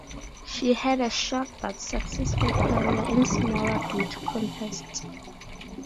She had a short but successful career in smaller beauty contests.